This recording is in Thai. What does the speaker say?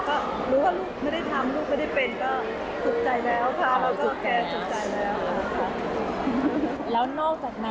ก็สุดใจแล้วค่ะเราก็โอเคสุดใจแล้วครับ